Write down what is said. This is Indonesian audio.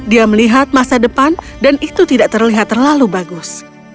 dia melihat masa depan dan itu tidak terlihat terlalu bagus